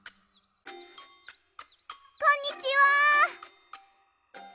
こんにちは！